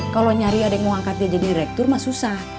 kalau nyari adik mau angkat dia jadi rektur mah susah